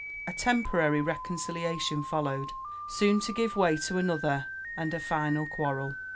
A temporary reconciliation followed, soon to give way to another and a final quarrel.